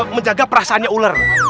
menjaga perasaannya ular